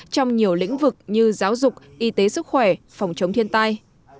trong nhiều lĩnh vực như giáo dục y tế sức khỏe phòng chống thiên tai